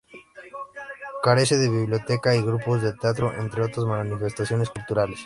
Carece de biblioteca y grupos de teatro, entre otras manifestaciones culturales.